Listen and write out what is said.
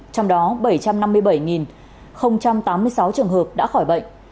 trong đó bảy trăm năm mươi bảy tám mươi sáu trường hợp đã khỏi bệnh